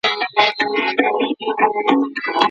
نه سمندر شته